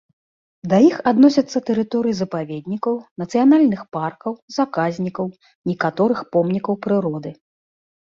Да іх адносяцца тэрыторыі запаведнікаў, нацыянальных паркаў, заказнікаў, некаторых помнікаў прыроды.